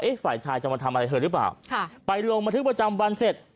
ฝ่ายชายจะมาทำอะไรเธอหรือเปล่าค่ะไปลงบันทึกประจำวันเสร็จ